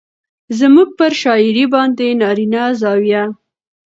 زموږ پر شاعرۍ باندې نارينه زاويه